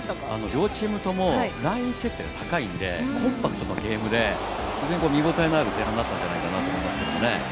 両チームともライン設定が高いので、コンパクトなゲームで見応えのある前半だったんじゃないかなと思います。